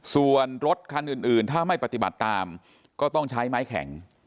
ส่วนรถคันอื่นถ้าไม่ปฏิบัติตามก็ต้องใช้ไม้แข็ง